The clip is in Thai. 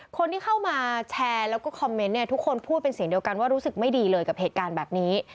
คนที่เข้ามาแชร์แล้วก็คอมเมนต์เนี่ยทุกคนพูดเป็นเสียงเดียวกันว่ารู้สึกไม่ดีเลยกับเหตุการณ์แบบนี้